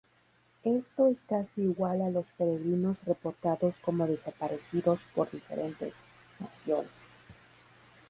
Esto es casi igual a los peregrinos reportados como desaparecidos por diferentes naciones.